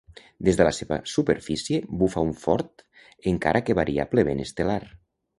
Des de la seva superfície bufa un fort encara que variable vent estel·lar.